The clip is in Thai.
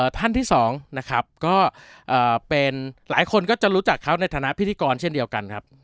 ท่านที่๒นะครับก็เป็นหลายคนก็จะรู้จักเขาในฐานะพิธีกรเช่นเดียวกันครับ